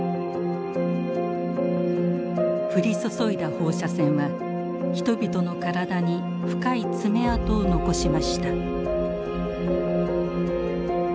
降り注いだ放射線は人々の体に深い爪痕を残しました。